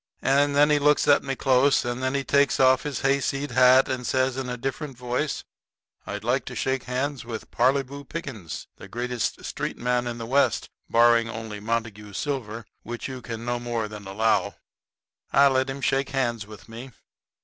And then he looks at me close, and then he takes off his hayseed hat, and says, in a different voice: "I'd like to shake hands with Parleyvoo Pickens, the greatest street man in the West, barring only Montague Silver, which you can no more than allow." I let him shake hands with me.